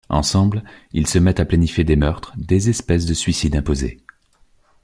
Ensemble, ils se mettent à planifier des meurtres, des espèces de suicides imposés.